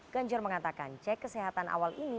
ganjar mengatakan cek kesehatan awal ini